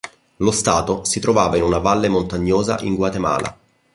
Lo stato si trovava in una valle montagnosa in Guatemala.